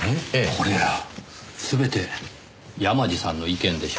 これら全て山路さんの意見でしょうかねぇ？